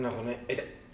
痛っ。